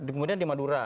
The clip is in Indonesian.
kemudian di madura